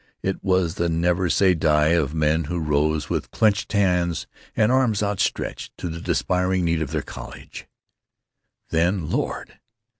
It was the never say die of men who rose, with clenched hands and arms outstretched, to the despairing need of their college, and then—Lord!